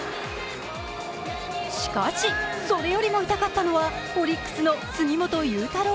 しかし、それよりも痛かったのはオリックスの杉本裕太郎。